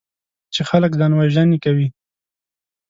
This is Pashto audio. چې خلک ځانوژنې کوي.